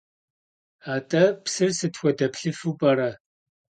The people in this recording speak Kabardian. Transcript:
At'e psır sıt xuede plhıfeu p'ere?